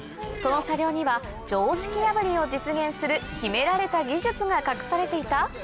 その車両には常識破りを実現する秘められた技術が隠されていた？